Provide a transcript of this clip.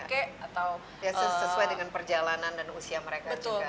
kejalanan dan usia mereka